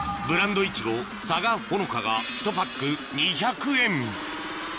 ブランドいちごさがほのかが１パック２００円